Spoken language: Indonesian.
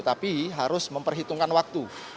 tapi harus memperhitungkan waktu